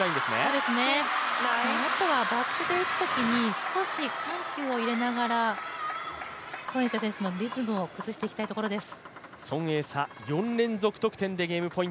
あとはバックで打つときに少し緩急を入れながら孫エイ莎選手のリズムを崩していきたいところです。